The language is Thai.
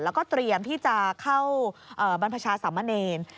แล้วก็เตรียมที่จะเข้าบรรพชาสามเณร